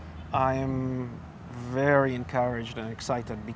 saya sangat diberi keuangan dan teruja